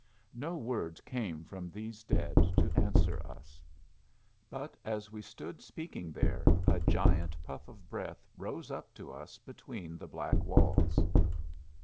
No word came from these dead to answer us. But as we stood speaking there, a giant puff of breath rose up to us between the black walls.